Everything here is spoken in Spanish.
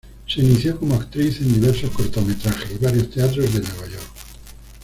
Se inició como actriz en diversos cortometrajes y varios teatros de New York.